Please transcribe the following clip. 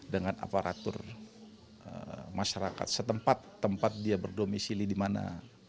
dengan aparatur masyarakat setempat tempat dia berdomisili dimana